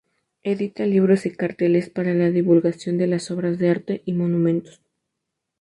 Edita libros y carteles para la divulgación de las obras de arte y monumentos.